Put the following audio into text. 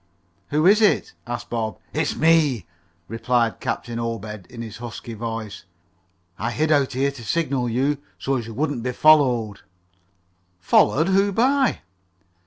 "Who is it?" asked Bob. "It's me," replied Captain Obed in his husky voice. "I hid out here to signal you so's you wouldn't be followed." "Followed? Who by?"